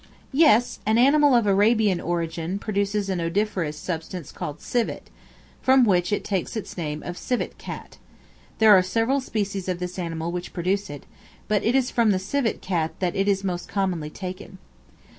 Yes; an animal of Arabian origin produces an odoriferous substance called Civet, from which it takes its name of Civet Cat; there are several species of this animal which produce it, but it is from the Civet Cat that it is most commonly taken.